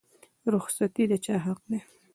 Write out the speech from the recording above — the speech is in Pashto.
رخصتي د چا حق دی؟